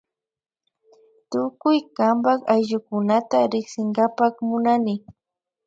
Tukuy kanpak ayllukunata riksinkapak munani